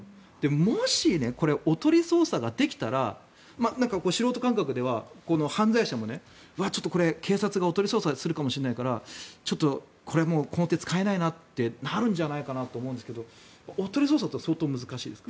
もしねこれ、おとり捜査ができたら素人感覚では犯罪者もこれ、警察がおとり捜査するかもしれないからちょっとこの手使えないなとなるんじゃないかなと思うんですけどおとり捜査は相当難しいですか？